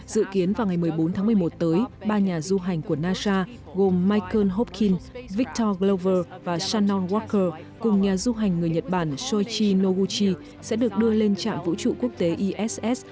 dự kiến vào ngày một mươi bốn tháng một mươi một tới ba nhà du hành của nasa gồm michael hopkins victor glover và sanon waker cùng nhà du hành người nhật bản soichi noguchi sẽ được đưa lên trạm vũ trụ quốc tế iss